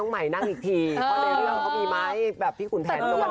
พอใช้ขี้มีไม้แบบพี่ขุนแผนแบบนอน